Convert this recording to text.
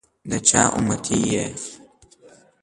دچا اُمتي يی؟